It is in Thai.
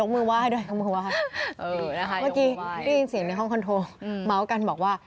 เมื่อกี้ได้ยินเสียงในห้องคอนโทรม้าวกันบอกว่า